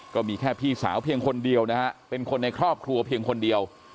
ก็มีแค่พี่สาวเพียงคนเดียวนะฮะเป็นคนในครอบครัวเพียงคนเดียว